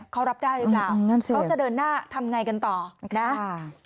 เขารับได้หรือเปล่าเขาจะเดินหน้าทำอย่างไรกันต่อ